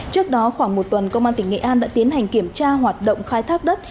trước đó khoảng một tuần công an tỉnh nghệ an đã tiến hành kiểm tra hoạt động khai thác đất